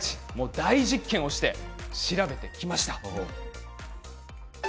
大実験をして調べてきました。